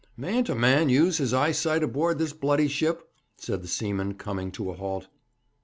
'Mayn't a man use his eyesight aboard this bloody ship?' said the seaman, coming to a halt.